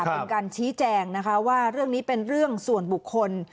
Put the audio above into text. เป็นการชี้แจงนะคะว่าเรื่องนี้เป็นเรื่องส่วนบุคคล